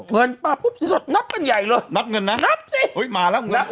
เงินมาปุ๊บสินสดนับกันใหญ่เลยนับเงินนะนับสิอุ้ยมาแล้วมึงแล้ว